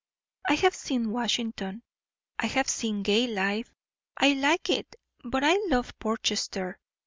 I have seen Washington, I have seen gay life; I like it, but I LOVE Portchester.